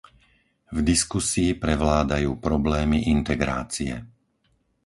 V diskusii prevládajú problémy integrácie.